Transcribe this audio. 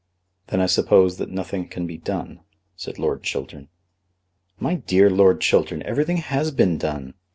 "Then I suppose that nothing can be done," said Lord Chiltern. "My dear Lord Chiltern, everything has been done.